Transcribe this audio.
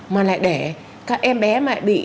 mà lại để các em bé mà bị